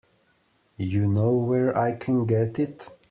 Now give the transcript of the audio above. You know where I can get it?